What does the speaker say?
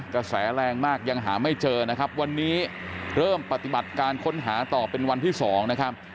กระแสแรงมากยังหาไม่เจอนะครับวันนี้เริ่มปฏิบัติการค้นหาต่อเป็นวันที่๒นะครับ